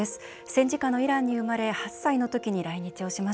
戦争下のイランに生まれ８歳の時に来日をしました。